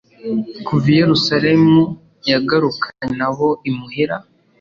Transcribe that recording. Kuva i Yerusalemu yagarukanye na bo imuhira,